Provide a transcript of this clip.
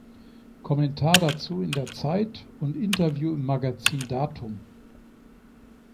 Kommentar dazu in der Zeit und Interview im Magazin "Datum".